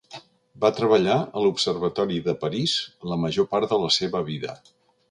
Va treballar a l'Observatori de París la major part de la seva vida.